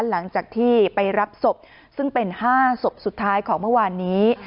หลังจากที่ไปรับศพซึ่งเป็น๕ศพสุดท้ายของเมื่อวานนี้